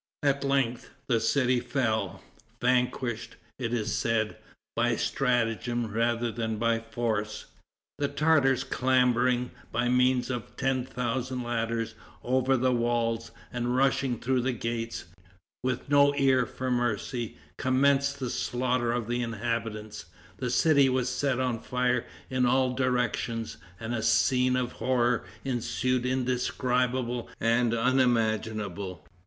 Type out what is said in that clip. At length the city fell, vanquished, it is said, by stratagem rather than by force. The Tartars clambering, by means of ten thousand ladders, over the walls, and rushing through the gates, with no ear for mercy, commenced the slaughter of the inhabitants. The city was set on fire in all directions, and a scene of horror ensued indescribable and unimaginable.